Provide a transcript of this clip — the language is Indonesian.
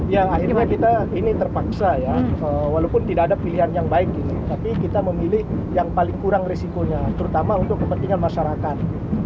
ya akhirnya kita ini terpaksa ya walaupun tidak ada pilihan yang baik tapi kita memilih yang paling kurang risikonya terutama untuk kepentingan masyarakat